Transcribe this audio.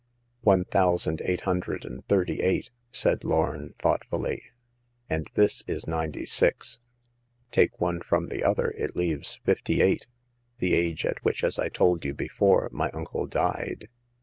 " One thousand eight hundred and thirty eight," said Lorn, thoughtfully ;" and this is' ninety six. Take one from the other, it leaves fifty eight, the age at which, as I told you before, my uncle died.